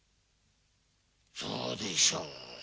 そうでしょう。